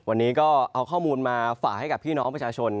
วันนี้ก็เอาข้อมูลมาฝากให้กับพี่น้องประชาชน